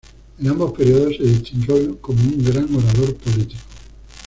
En ambos períodos se distinguió como un gran orador político.